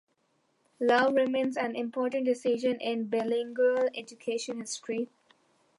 Lau remains an important decision in bilingual education history.